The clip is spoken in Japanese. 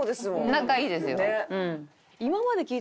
仲いいですよ。